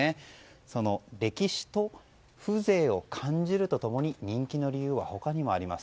その歴史と風情を感じると共に人気の理由は他にもあります。